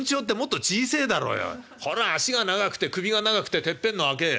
こらあ脚が長くて首が長くててっぺんの赤え